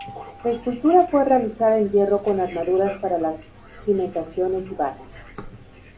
La escultura fue realizada en hierro con armaduras para las cimentaciones y bases.